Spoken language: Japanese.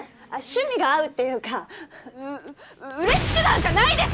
趣味が合うっていうかうれしくなんかないです！